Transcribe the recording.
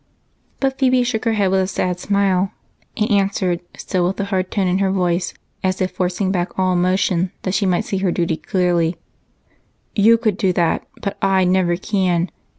But Phebe shook her head with a sad smile and answered, still with the hard tone in her voice as if forcing back all emotion that she might see her duty clearly: "You could do that, but I never can.